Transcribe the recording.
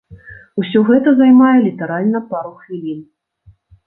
Усё гэта займае літаральна пару хвілін.